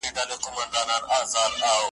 شپه مي نیمی که له آذانه پر ما ښه لګیږي .